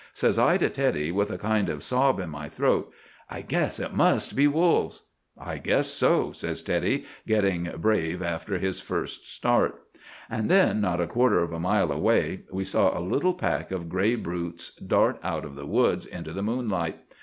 Says I to Teddy, with a kind of sob in my throat, 'I guess it must be wolves.'—'I guess so,' says Teddy, getting brave after his first start. And then, not a quarter of a mile away, we saw a little pack of gray brutes dart out of the woods into the moonlight.